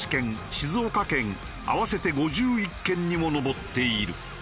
静岡県合わせて５１件にも上っている。